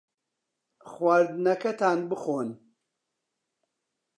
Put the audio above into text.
خواردنەکەتان بخۆن.